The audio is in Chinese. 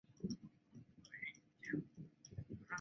在教堂前有给这场爆炸的受害者所立的大塑像。